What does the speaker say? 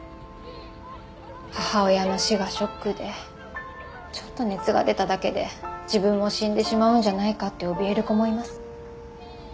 母親の死がショックでちょっと熱が出ただけで自分も死んでしまうんじゃないかっておびえる子もいます。